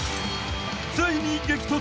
［ついに激突！］